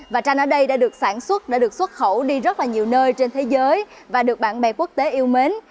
và tranh ở đây đã được sản xuất đã được xuất khẩu đi rất là nhiều nơi trên thế giới và được bạn bè quốc tế yêu mến